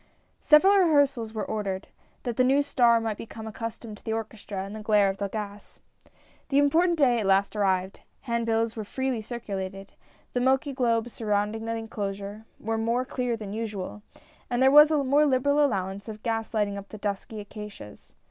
Several rehearsals were ordered, that the new star might become accustomed to the orchestra and the glare of the gas. The important day at last arrived. Hand bills were freely circulated. The milky globes surrounding the enclosure, were more clear than usual, and there was a more liberal allowance of gas lighting up the dusky acacias.